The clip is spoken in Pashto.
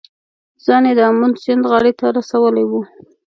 ځان یې د آمو سیند غاړې ته رسولی و.